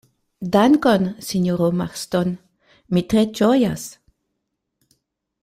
Dankon, sinjoro Marston, mi tre ĝojas.